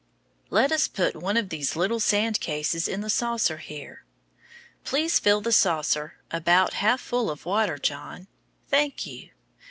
Let us put one of these little sand cases in the saucer here. Please fill the saucer about half full of water, John. Thank you.